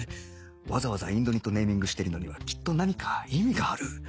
わざわざインド煮とネーミングしてるのにはきっと何か意味がある